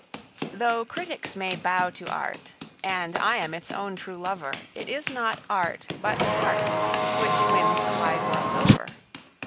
Though critics may bow to art, and I am its own true lover, It is not art, but heart, which wins the wide world over.